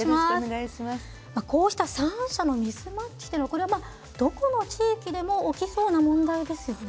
こうした３者のミスマッチというのはどこの地域でも起きそうな問題ですよね。